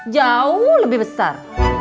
jauh lebih besar